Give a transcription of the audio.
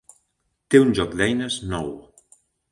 Té un joc d'eines nou.